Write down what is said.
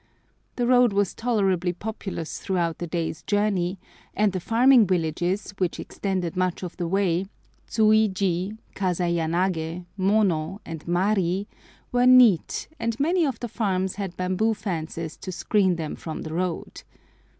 The road was tolerably populous throughout the day's journey, and the farming villages which extended much of the way—Tsuiji, Kasayanagê, Mono, and Mari—were neat, and many of the farms had bamboo fences to screen them from the road.